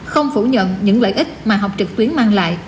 không phủ nhận những lợi ích mà học trực tuyến mang lại